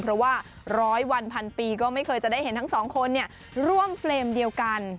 เพราะว่าร้อยวันพันปีก็ไม่เคยจะได้เห็นทั้งสองคนร่วมเฟรมเดียวกัน